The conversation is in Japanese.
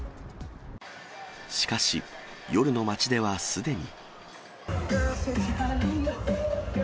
しかし、夜の街ではすでに。